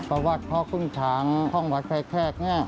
ประวัติพ่อขุนช้างพรองวัดแพร่แทรกเนี่ย